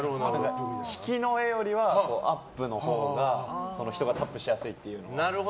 引きの画よりはアップのほうが人がタップしやすいというので。